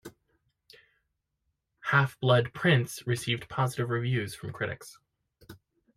"Half-Blood Prince" received positive reviews from critics.